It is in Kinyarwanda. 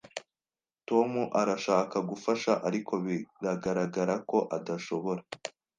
Tom arashaka gufasha, ariko biragaragara ko adashobora.